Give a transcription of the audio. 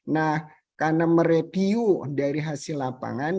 nah karena mereview dari hasil lapangan